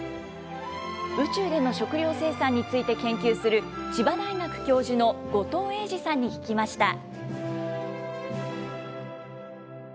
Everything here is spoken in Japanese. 宇宙での食料生産について研究する千葉大学教授の後藤英司さんに聞きました。